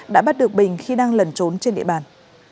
đã bắt được bình khi đang lẩn trốn trên địa bàn